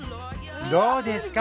どうですか？